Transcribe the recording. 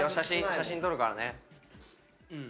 写真撮るからね。